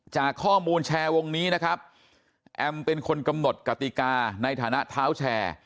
จากข้อมูลแชร์วงนี้นะครับแอมเป็นคนกำหนดกติกาในฐานะเท้าแชร์